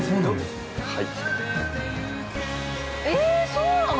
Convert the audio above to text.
そうなの？